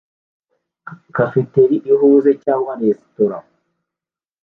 Cafeteria ihuze cyangwa resitora